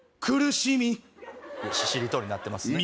しりとりになってますね